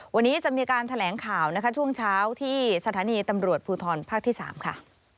วันนี้จะมีการแถลงข่าวนะคะช่วงเช้าที่สถานีตำรวจภูทรภาคที่๓ค่ะ